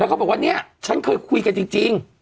แล้วเขาบอกว่านี้อ่ะฉันเคยคุยกันจริงจริง